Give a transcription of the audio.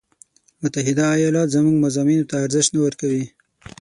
متحده ایالات زموږ مضامینو ته ارزش نه ورکوي.